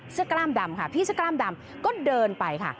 กล้ามดำค่ะพี่เสื้อกล้ามดำก็เดินไปค่ะ